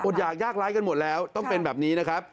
อยากยากร้ายกันหมดแล้วต้องเป็นแบบนี้นะครับ